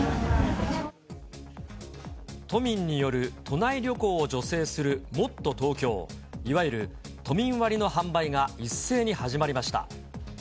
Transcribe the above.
都民による都内旅行を助成するもっとＴｏｋｙｏ、いわゆる都民割の販売が一斉に始まりました。